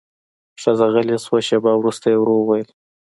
ښځه غلې شوه، شېبه وروسته يې ورو وويل: